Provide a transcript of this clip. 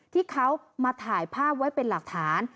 ที่เขามาถ่ายภาพไว้เป็นหลักฐาน